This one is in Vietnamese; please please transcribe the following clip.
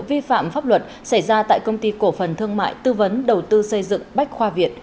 vi phạm pháp luật xảy ra tại công ty cổ phần thương mại tư vấn đầu tư xây dựng bách khoa việt